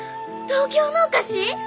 東京のお菓子？